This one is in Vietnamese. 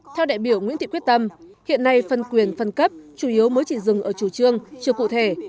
theo đại biểu nguyễn thị quyết tâm hiện nay phân quyền phân cấp chủ yếu mới chỉ dừng ở chủ trương chưa cụ thể